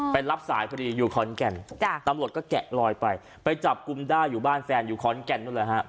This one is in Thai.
รับสายพอดีอยู่ขอนแก่นตำรวจก็แกะลอยไปไปจับกลุ่มได้อยู่บ้านแฟนอยู่ขอนแก่นนู้นแหละฮะ